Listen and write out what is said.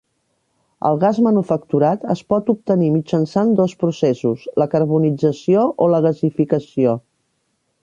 El gas manufacturat es pot obtenir mitjançant dos processos: la carbonització o la gasificació.